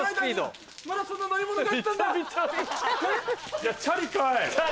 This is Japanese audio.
いやチャリかい。